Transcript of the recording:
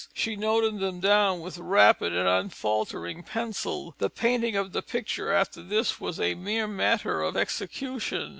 She noted them down with rapid and unfaltering pencil; the painting of the picture after this was a mere matter of execution.